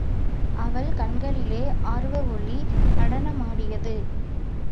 அவள் கண்களிலே ஆர்வஒளி நடமாடியது.